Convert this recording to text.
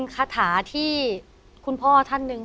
คาถาที่คุณพ่อท่านหนึ่ง